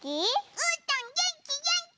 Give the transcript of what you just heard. うーたんげんきげんき！